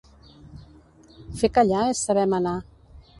Fer callar és saber manar.